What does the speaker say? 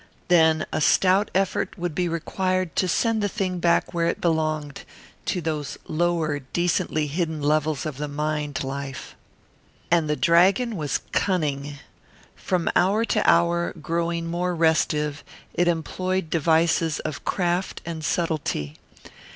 Then a stout effort would be required to send the thing back where it belonged, to those lower, decently hidden levels of the mind life. And the dragon was cunning. From hour to hour, growing more restive, it employed devices of craft and subtlety.